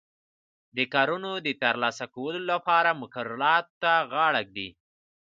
د کارونو د ترسره کولو لپاره مقرراتو ته غاړه ږدي.